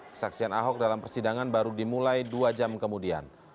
kesaksian ahok dalam persidangan baru dimulai dua jam kemudian